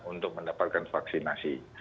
untuk mendapatkan vaksinasi